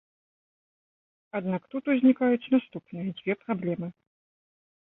Аднак тут узнікаюць наступныя дзве праблемы.